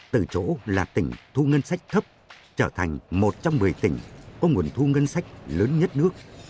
từ chỗ là tỉnh thu ngân sách thấp trở thành một trong một mươi tỉnh có nguồn thu ngân sách lớn nhất nước